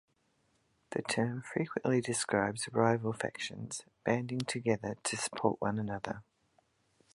The term frequently describes rival factions banding together to support one another.